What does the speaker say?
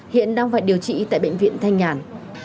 hiện đang phải điều trị tại bệnh viện thanh nhàn